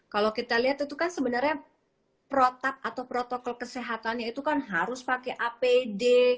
kalau kita lihat itu kan sebenarnya protap atau protokol kesehatannya itu kan harus pakai apd